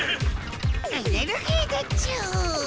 エネルギーでちゅ！